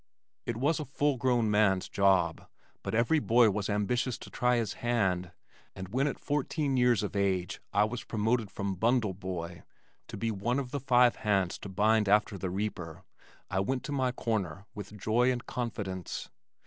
It was a full grown man's job, but every boy was ambitious to try his hand, and when at fourteen years of age I was promoted from "bundle boy" to be one of the five hands to bind after the reaper, I went to my corner with joy and confidence.